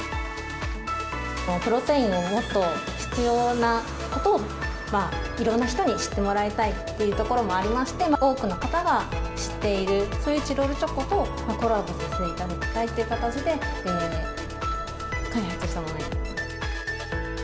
プロテインがもっと必要なことをいろんな人に知ってもらいたいというところもありまして、多くの方が知っている、そういうチロルチョコとコラボさせていただきたいという形で、開発したものになります。